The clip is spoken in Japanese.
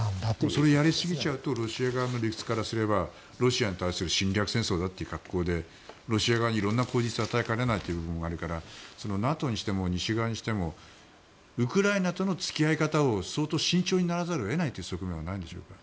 それをやりすぎちゃうとロシア側の理屈からすればロシアに対する侵略戦争という格好でロシア側に色んな口実を与えかねないという部分もあるからＮＡＴＯにしても西側にしてもウクライナとの付き合い方を相当慎重にならざるを得ないという側面はないんですか。